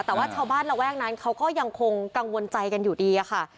แต่ว่าชาวบ้านระแวกนั้นเขาก็ยังคงกังวลใจกันอยู่ดีอะค่ะ